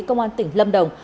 công an tỉnh lâm đồng